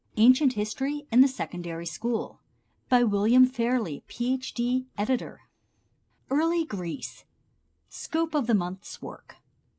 ] Ancient History in the Secondary School WILLIAM FAIRLEY, Ph.D., Editor. EARLY GREECE Scope of the Month's Work.